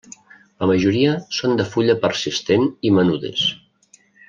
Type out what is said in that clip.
La majoria són de fulla persistent i menudes.